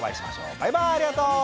バイバーイありがと！